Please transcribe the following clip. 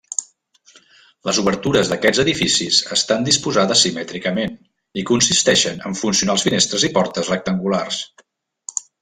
Les obertures d'aquests edificis estan disposades simètricament i consisteixen en funcionals finestres i portes rectangulars.